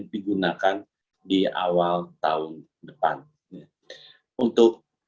digunakan di awal tahun depan untuk